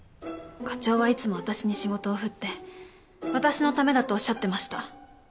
課長はいつも私に仕事を振って私のためだとおっしゃってました。